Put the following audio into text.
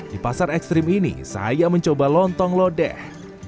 di pasar ekstrim ini saya mencoba lontong lodeh